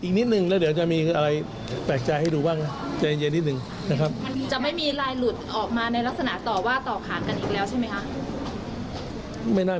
คุณพิชิตชื่อมาแล้วมาเห็นบอกว่า